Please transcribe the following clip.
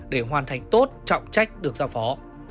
để hoàn thành tốt trọng trách được giao phó